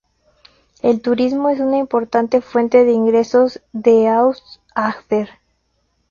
El turismo es una importante fuente de ingresos de Aust-Agder.